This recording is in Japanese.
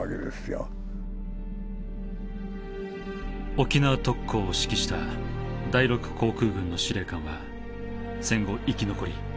沖縄特攻を指揮した第六航空軍の司令官は戦後生き残り